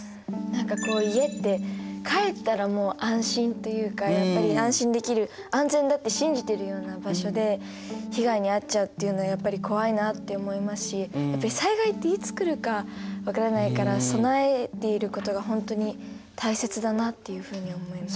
何かこう家って帰ったらもう安心というかやっぱり安心できる安全だって信じてるような場所で被害に遭っちゃうっていうのはやっぱり怖いなって思いますしやっぱり災害っていつ来るか分からないから備えていることが本当に大切だなっていうふうに思います。